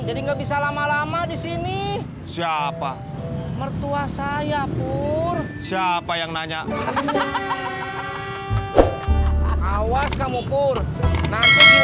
jadi nggak bisa lama lama disini siapa mertua saya pur siapa yang nanya awas kamu pur nanti